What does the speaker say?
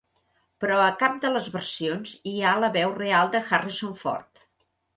Però a cap de les versions hi ha la veu real de Harrison Ford.